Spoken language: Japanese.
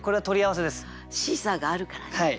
「シーサー」があるからね。